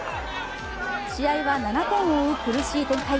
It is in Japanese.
試合は７点を追う苦しい展開。